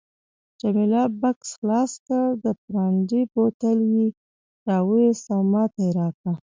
جميله بکس خلاص کړ، د برانډي بوتل یې راوایست او ماته یې راکړ.